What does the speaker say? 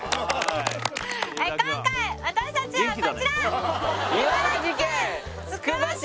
今回私たちはこちら！